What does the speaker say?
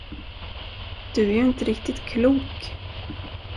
Du är ju inte riktigt klok!